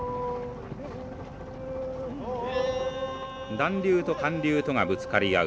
暖流と寒流とがぶつかり合う